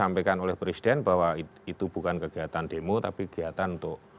sampaikan oleh presiden bahwa itu bukan kegiatan demo tapi kegiatan untuk